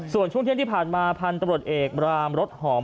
ส่วนช่วงเที่ยงที่ผ่านมาพันธุ์ตำรวจเอกรามรถหอม